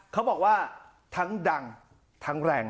เขาบอกว่าทั้งดังทั้งแรง